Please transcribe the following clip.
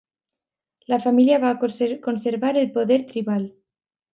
La família va conservar el poder tribal.